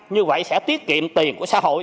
như vậy sẽ tiết kiệm tiền của xã hội